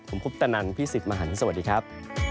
ผมพุทธนันทร์พี่สิทธิ์มหันต์สวัสดีครับ